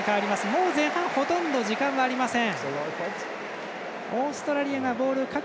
もう前半ほとんど時間はありません。